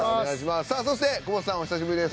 そして、久保田さんお久しぶりです。